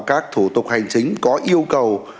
các thủ tục hành chính có yêu cầu